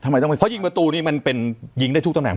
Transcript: เพราะยิงมะตูนี้มันเป็นยิงได้ทุกตำแหน่ง